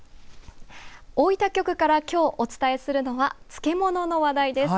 大分局からきょうお伝えするのは漬物の話題です。